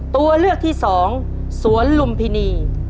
ตัวเลือกที่สองสวนลุมพินี